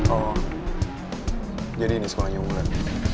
oh jadi ini sekolahnya unggulan